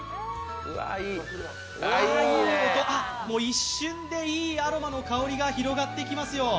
一瞬でいいアロマの香りが広がってきますよ。